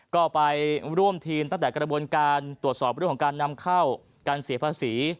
ก็ไปร่วมทีมตั้งแต่กระบวนการตรวจสอบเรื่องของการนำเข้าการเสียภาษี